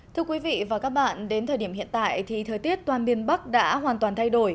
thưa quý vị và các bạn đến thời điểm hiện tại thì thời tiết toàn miền bắc đã hoàn toàn thay đổi